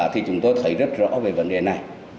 thì chúng tôi thấy rất rõ về vấn đề này